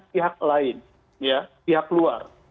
pihak lain pihak luar